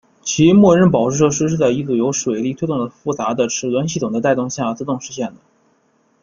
其木人宝石设施是在一组由水力推动的复杂的齿轮系统的带动下自动实现的。